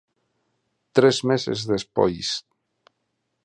Tres meses despois.